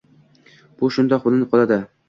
Bu shundoq bilinib qoladi.